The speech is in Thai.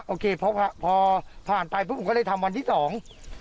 โอเคพอพอผ่านไปปุ๊บผมก็เลยทำวันที่สอง